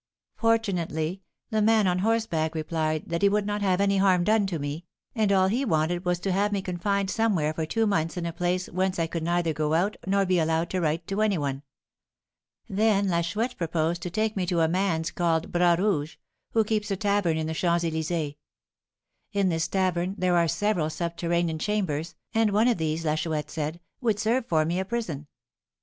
Fortunately, the man on horseback replied that he would not have any harm done to me, and all he wanted was to have me confined somewhere for two months in a place whence I could neither go out nor be allowed to write to any one. Then La Chouette proposed to take me to a man's called Bras Rouge, who keeps a tavern in the Champs Elysées. In this tavern there are several subterranean chambers, and one of these, La Chouette said, would serve me for a prison.